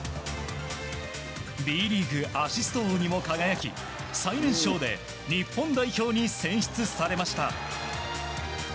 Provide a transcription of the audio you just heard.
Ｂリーグアシスト王にも輝き最年少で日本代表に選出されました。